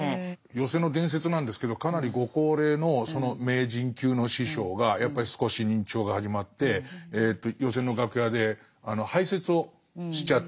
寄席の伝説なんですけどかなりご高齢のその名人級の師匠がやっぱり少し認知症が始まってえと寄席の楽屋で排泄をしちゃって。